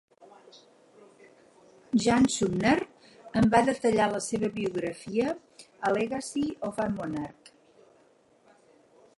Jan Sumner en va detallar la seva biografia a "Legacy of a Monarch".